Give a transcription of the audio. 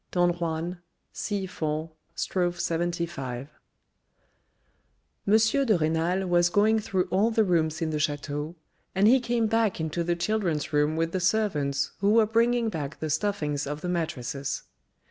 Don Juan, c. 4, st. 75. M. de Renal was going through all the rooms in the chteau, and he came back into the children's room with the servants who were bringing back the stuffings of the mattresses.